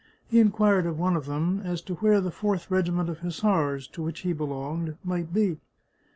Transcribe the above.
He inquired of one of them as to where the Fourth Regiment of Hussars, to which he belonged, might be.